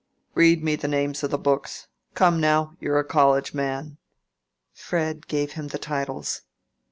"Read me the names o' the books. Come now! you're a college man." Fred gave him the titles.